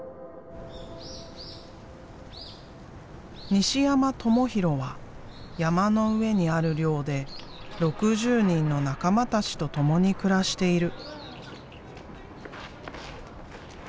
西山友浩は山の上にある寮で６０人の仲間たちと共に暮らしている。